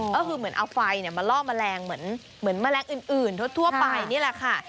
ก็คือเหมือนเอาไฟมาล่อแมลงเหมือนแมลงอื่นทั่วไปนี่แหละค่ะ